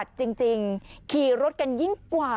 สุดยอดดีแล้วล่ะ